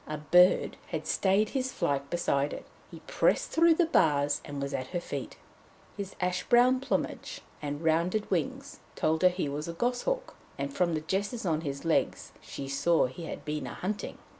A bird had stayed his flight beside it; he pressed through the bars and was at her feet. His ash brown plumage and rounded wings told her he was a goshawk, and from the jesses on his legs she saw he had been a'hunting.